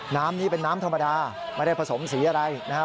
น้ำนี้เป็นน้ำธรรมดาไม่ได้ผสมสีอะไรนะครับ